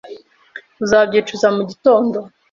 Uzabyicuza mugitondo.